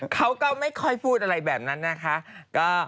เขาก็ไม่ค่อยพูดอะไรแบบนั้นนะคะ